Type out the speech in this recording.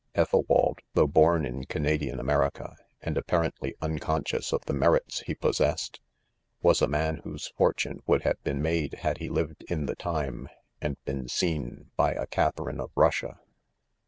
Ethelwald, (though born in Canadian America, and appa rently unconscious of the merits he possessed,) was a man whose fortune, would have been made had he lived in the time, and been seen by a Catharine of Russia.